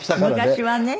昔はね。